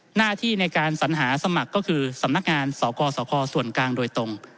หน้าที่ในการสัญหาสมัครก็คือสำนักงานสกสคส่วนกลางโดยตรง